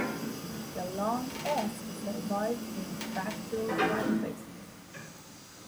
The long "s" survives in Fraktur typefaces.